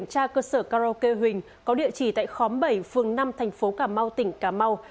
cơ sở karaoke huỳnh có địa chỉ tại khóm bảy phương năm thành phố cà mau tỉnh cà mau